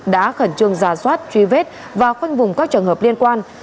đã khẩn trương ra soát truy vết và khoanh vùng các trường hợp liên quan